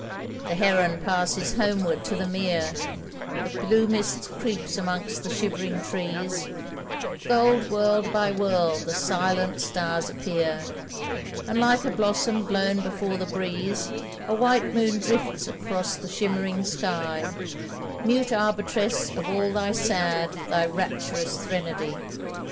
The heron passes homeward to the mere, The blue mist creeps among the shivering trees, Gold world by world the silent stars appear, And like a blossom blown before the breeze A white moon drifts across the shimmering sky, Mute arbitress of all thy sad, thy rapturous threnody.